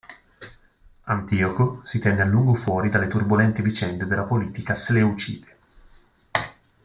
Antioco si tenne a lungo fuori dalle turbolente vicende della politica seleucide.